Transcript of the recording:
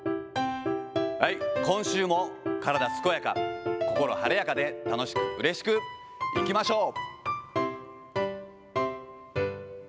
今週も体健やか、心晴れやかで、楽しく、うれしくいきましょう。